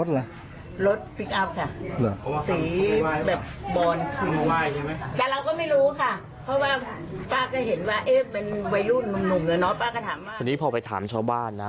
ทีนี้พอไปถามชาวบ้านนะ